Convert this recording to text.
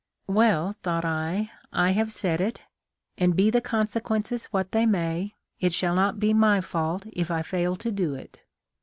' Well,' thought I, 'I have said it, and, be the consequences what they may, it shall not be my fault if I fail to do it.'